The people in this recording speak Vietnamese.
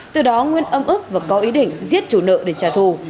từ đó nguyên âm ức và có ý định giết chủ nợ để trả thù